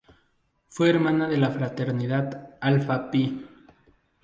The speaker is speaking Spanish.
Fue hermana de la fraternidad Alpha Phi.